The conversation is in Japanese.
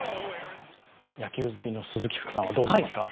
野球好きの鈴木福さんはどう見ますか？